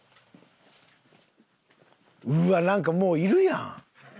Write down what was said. うわっなんかもういるやん。